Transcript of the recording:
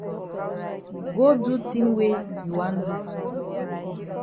Go do tin wey you wan do.